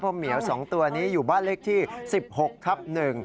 เพราะเหมียว๒ตัวนี้อยู่บ้านเลขที่๑๖ทับ๑